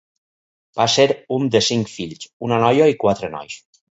Va ser un de cinc fills, una noia i quatre nois.